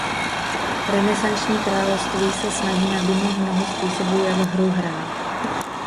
Renesanční království se snaží nabídnout mnoho způsobů jak hru hrát.